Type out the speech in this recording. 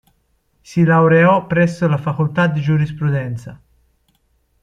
Si laureò presso la Facoltà di Giurisprudenza.